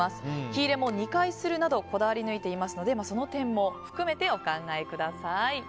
火入れも２回するなどこだわり抜いていますのでその点も含めてお考えください。